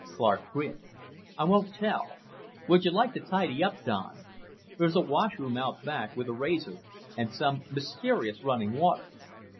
Clark grinned. "I won't tell. Would you like to tidy up, Don? There's a washroom out back, with a razor and some mysterious running water.